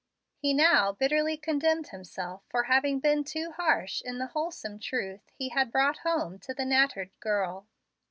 He now bitterly condemned himself for having been too harsh in the wholesome truth he had brought home to the nattered girl.